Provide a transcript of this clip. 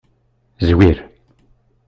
Zwir.